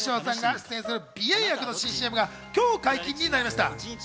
櫻井翔さんが出演する鼻炎薬の新ＣＭが今日解禁になりました。